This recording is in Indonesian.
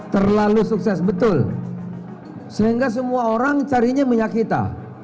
terlalu sukses betul sehingga semua orang carinya minyak kita